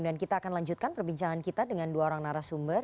dan kita akan lanjutkan perbincangan kita dengan dua orang narasumber